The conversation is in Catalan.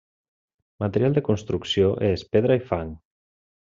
Material de construcció és pedra i fang.